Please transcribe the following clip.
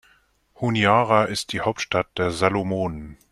Honiara ist die Hauptstadt der Salomonen.